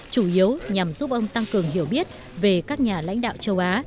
chủ yếu nhằm giúp ông tăng cường hiểu biết về các nhà lãnh đạo châu á